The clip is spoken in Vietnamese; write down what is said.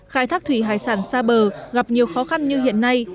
khai thác thủy hải sản xa bờ gặp nhiều khó khăn như hiện nay